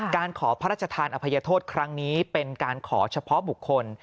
การขอพระราชทานอภัยโทษครั้งนี้เป็นการขอเฉพาะบุคคล